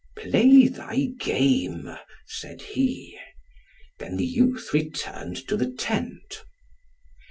"Play thy game," said he. Then the youth returned to the tent.